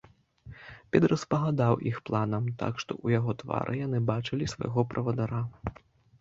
Педра спагадаў іх планам, так што ў яго твары яны бачылі свайго правадыра.